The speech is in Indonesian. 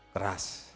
keras pedas ada